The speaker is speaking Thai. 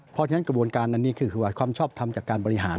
เพราะฉะนั้นกระบวนการอันนี้คือว่าความชอบทำจากการบริหาร